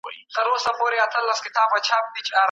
د طبیب عقل کوټه سو مسیحا څخه لار ورکه